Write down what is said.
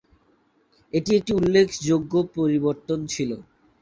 এটি একটি উল্লেখযোগ্য পরিবর্তন ছিল।